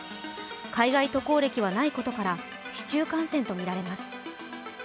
海外渡航歴はないことから市中感染とみられます。